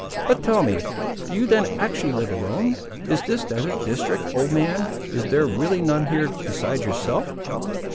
But, tell me, do you then actually live alone, in this desert district, old man; is there really none here besides yourself?"